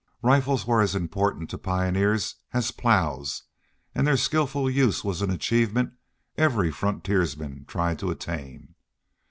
Rifles were as important to pioneers as plows, and their skillful use was an achievement every frontiersman tried to attain.